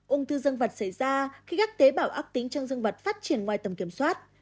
ung thư dương vật xảy ra khi các tế bảo ác tính trong dương vật phát triển ngoài tầm kiểm soát